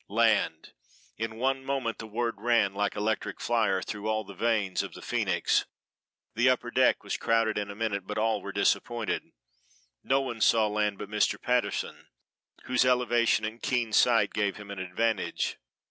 Land! In one moment the word ran like electric fire through all the veins of the Phoenix; the upper deck was crowded in a minute, but all were disappointed. No one saw land but Mr. Patterson, whose elevation and keen sight gave him an advantage.